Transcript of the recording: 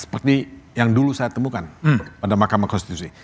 seperti yang dulu saya temukan pada mahkamah konstitusi